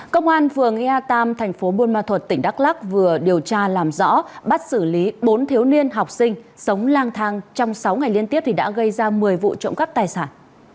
công an phường ea tam thành phố buôn ma thuật tỉnh đắk lắc vừa điều tra làm rõ bắt xử lý bốn thiếu niên học sinh sống lang thang trong sáu ngày liên tiếp đã gây ra một mươi vụ trộm cắp tài sản